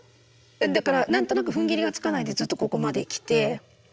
だから何となくふんぎりがつかないでずっとここまできて。